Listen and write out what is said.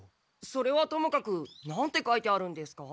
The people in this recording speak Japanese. それはともかくなんて書いてあるんですか？